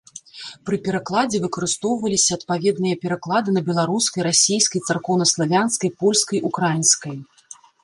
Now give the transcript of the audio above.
Пры перакладзе выкарыстоўваліся адпаведныя пераклады на беларускай, расейскай, царкоўнаславянскай, польскай, украінскай.